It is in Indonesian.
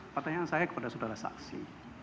pertanyaan saya kepada saudara saksi